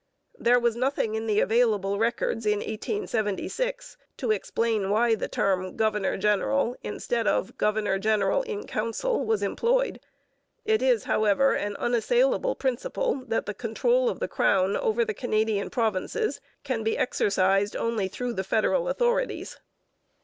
There was nothing in the available records in 1876 to explain why the term 'governor general' instead of 'governor general in council' was employed. It is, however, an unassailable principle that the control of the crown over the Canadian provinces can be exercised only through the federal authorities.